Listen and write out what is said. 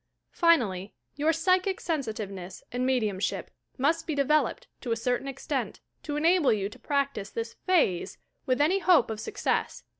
Finally, your psychic sensitiveness and me diumship must be developed, to a certain extent, to enable you to practice this "phase" with any hope of success.